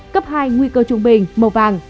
cấp hai nguy cơ trung bình màu vàng